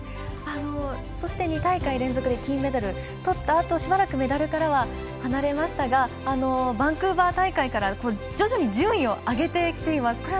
そして２大会連続で金メダルとったあとしばらくメダルからは離れましたがバンクーバー大会から徐々に順位を上げてきています。